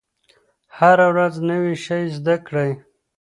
هره ورځ نوی شی زده کړئ.